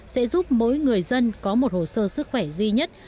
sẽ giúp mỗi người dân có một hồ sơ sức khỏe duy nhất